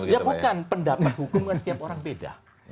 ya bukan pendapat hukum kan setiap orang beda